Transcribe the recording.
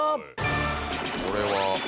これは。